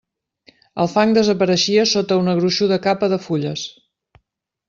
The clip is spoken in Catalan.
El fang desapareixia sota una gruixuda capa de fulles.